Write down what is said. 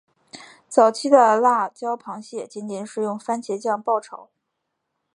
早期的辣椒螃蟹仅仅是用番茄酱爆炒。